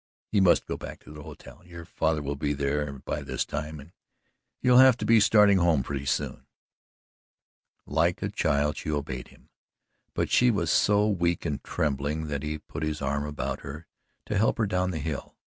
You must go back to the hotel. Your father will be there by this time and you'll have to be starting home pretty soon." Like a child she obeyed him, but she was so weak and trembling that he put his arm about her to help her down the hill.